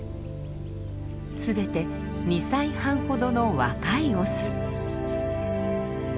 すべて２歳半ほどの若いオス。